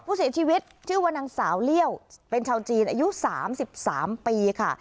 ผู้เสียชีวิตชื่อว่านางสาวเลี่ยวเป็นชาวจีนอายุ๓๓ปีค่ะ